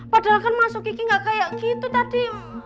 padahal kan masuk kiki gak kayak gitu tadi